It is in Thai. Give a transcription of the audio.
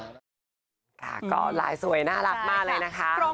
ก็ลายสวยน่ารักมากเลยนะครับ